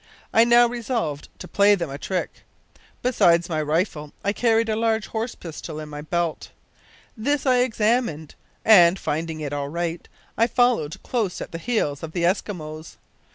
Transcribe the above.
I now resolved to play them a trick. Besides my rifle I carried a large horse pistol in my belt. This I examined, and, finding it all right, I followed close at the heels of the Eskimos.